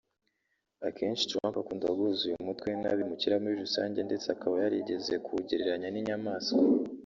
Akenshi Trump akunda guhuza uyu mutwe n’abimukira muri rusange ndetse akaba yarigeze kuwugereranya n’inyamaswa